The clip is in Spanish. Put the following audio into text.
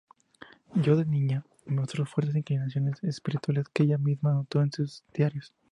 Ya de niña, demostró fuertes inclinaciones espirituales, que ella misma notó en sus diarios.